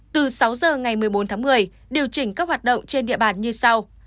từ sáu giờ ngày một mươi bốn tháng một mươi điều chỉnh các hoạt động trên địa bàn như sau